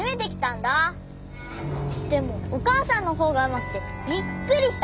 でもお母さんのほうがうまくてびっくりした。